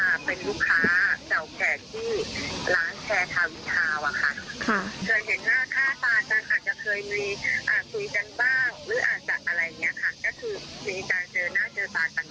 หรืออาจจะอะไรอย่างเงี้ยค่ะก็คือมีการเจอหน้าเจอตาต่างกว่า